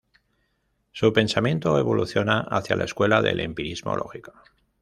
Su pensamiento evoluciona hacia la escuela del empirismo lógico.